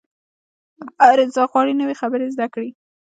هر انسان غواړي نوې خبرې زده کړي.